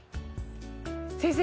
先生